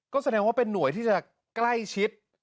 ก็แสดงว่าเป็นหน่วยที่จะใกล้ชิด